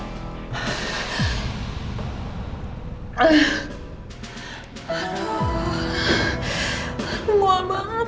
buat away person jujur absurdbread abang reu